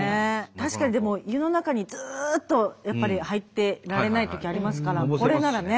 確かにでも湯の中にずっとやっぱり入ってられないときありますからこれならね。